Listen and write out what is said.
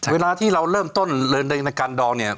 เวลาที่เราเริ่มต้นในการดอง